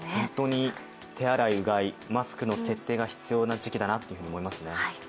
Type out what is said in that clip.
本当に手洗いうがい、マスクの徹底が必要な時期だなと思いますね。